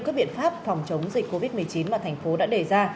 các biện pháp phòng chống dịch covid một mươi chín mà thành phố đã đề ra